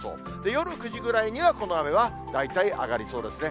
夜９時ぐらいには、この雨は大体上がりそうですね。